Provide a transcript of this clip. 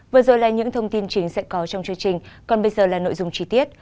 vừa rồi là những thông tin chính sẽ có trong chương trình còn bây giờ là nội dung chi tiết